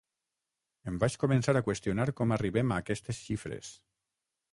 Em vaig començar a qüestionar com arribem a aquestes xifres.